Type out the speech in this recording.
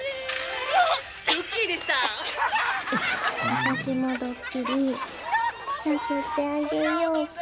私もドッキリさせてあげようか？